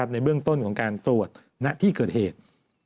ในเบื้องต้นของการตรวจณที่เกิดเหตุ